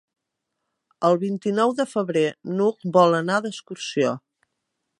El vint-i-nou de febrer n'Hug vol anar d'excursió.